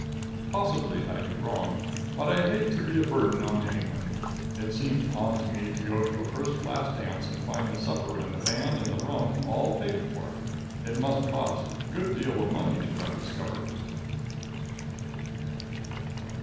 Possibly I did wrong, but I hate to be a burden on anyone. It seemed odd to me to go to a first class dance and find the supper and the band and the rum all paid for. It must cost a good deal of money to run this government.